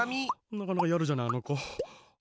なかなかやるじゃないあのこ。